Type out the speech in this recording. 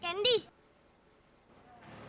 aku mau nganterin